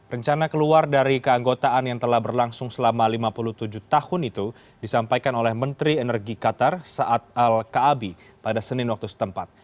rencana keluar dari keanggotaan yang telah berlangsung selama lima puluh tujuh tahun itu disampaikan oleh menteri energi qatar saat al kaabi pada senin waktu setempat